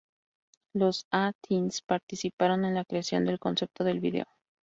Los A-Teens participaron en la creación del concepto del vídeo.